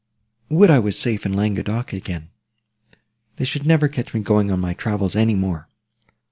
"Would I was once safe in Languedoc again, they should never catch me going on my travels any more!